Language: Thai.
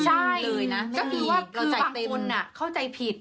ใช่ก็คือว่าบางคนเข้าใจผิด